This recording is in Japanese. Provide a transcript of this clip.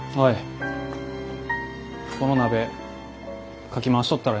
この鍋かき回しとったらええんか？